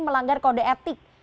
melanggar kode etik